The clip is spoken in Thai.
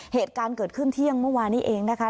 เหตุการณ์เกิดขึ้นเที่ยงเมื่อวานนี้เองนะคะ